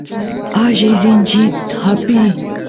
alli sinchit apiy